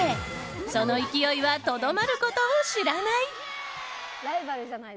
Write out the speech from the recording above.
その勢いはとどまることを知らない！